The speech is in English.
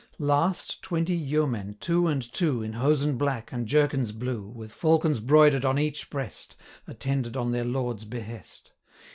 Last, twenty yeomen, two and two, 115 In hosen black, and jerkins blue, With falcons broider'd on each breast, Attended on their lord's behest.